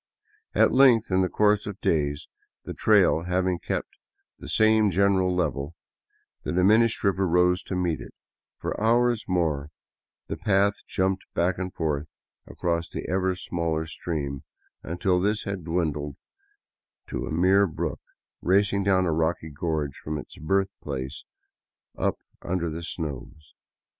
At length, in the course of days, the trail having kept the same general level, the diminished river rose to meet it; for hours more the path jumped back and forth across the ever smaller stream, until this had dwindled to a mere brook racing down a rocky gorge from its birth place up under the snows.